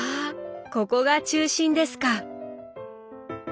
ここが中心ですか！